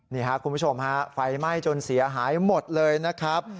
นี่ครับคุณผู้ชมฮะไฟไหม้จนเสียหายหมดเลยนะครับ